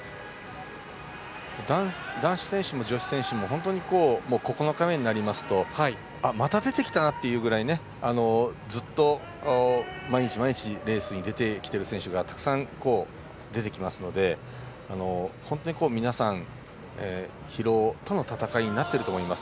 男子選手も女子選手も９日目になりますとまた出てきたなというぐらいずっと毎日毎日レースに出てきている選手がたくさん出てきますので本当に皆さん疲労との闘いになっていると思います。